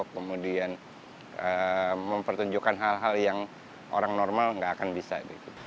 kemudian mempertunjukkan hal hal yang orang normal nggak akan bisa